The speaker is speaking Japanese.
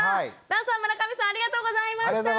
壇さん村上さんありがとうございました。